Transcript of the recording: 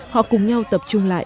họ cùng nhau tập trung lại